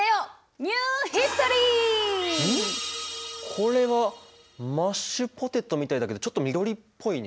これはマッシュポテトみたいだけどちょっと緑っぽいね。